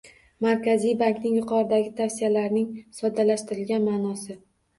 Markaziy bankning yuqoridagi tavsiyalarining soddalashtirilgan ma'nosi: